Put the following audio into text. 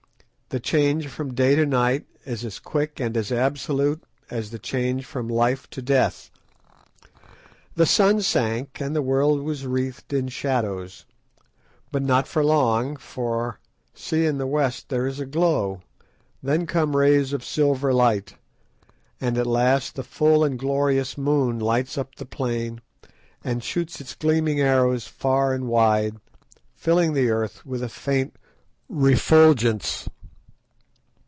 The change from day to night is as quick and as absolute as the change from life to death. The sun sank and the world was wreathed in shadows. But not for long, for see in the west there is a glow, then come rays of silver light, and at last the full and glorious moon lights up the plain and shoots its gleaming arrows far and wide, filling the earth with a faint refulgence.